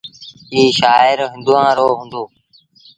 ايٚ شآهر هُݩدوآن رو هُݩدو۔